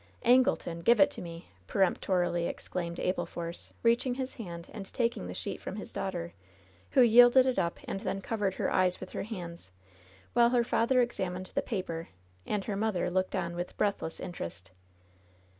"An^leton ! Give it to me 1" peremptorily exclaimed Abel Force, reaching his hand and taking the sheet from his daughter, who yielded it up and then covered her eyes with her hands, while her father examined the paper and her mother looked on with breathless interest.